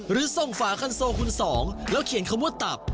หรือส่งฝาคันโซคุณสองแล้วเขียนคำว่าตับ